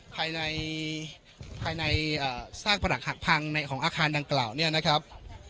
ภายในภายในซากประหลักหักพังในของอาคารดังกล่าวเนี่ยนะครับ